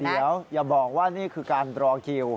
เดี๋ยวอย่าบอกว่านี่คือการรอคิว